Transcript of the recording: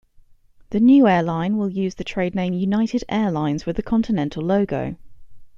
The new airline will use the trade name United Airlines with the Continental logo.